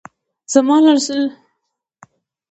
زما لاسونه د هغې شپې په رایادېدلو رېږدي.